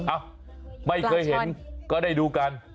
อ้าวไม่เคยเห็นก็ได้ดูกัน